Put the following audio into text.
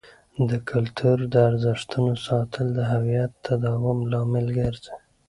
د کلتور د ارزښتونو ساتل د هویت د تداوم لامل ګرځي.